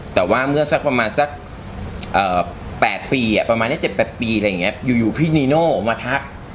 แต่ว่าเมื่อสักประมาณ๘ปีประมาณ๗๘ปีอยู่พี่นิโนมาทัก